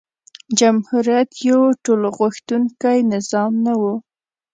جمهوریت یو ټولغوښتونکی نظام نه و.